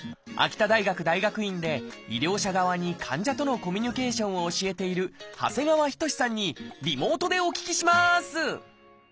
秋田大学大学院で医療者側に患者とのコミュニケーションを教えている長谷川仁志さんにリモートでお聞きします！